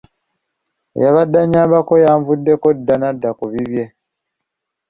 Eyabadde annyambako yanvuddeko dda n'adda ku bibye.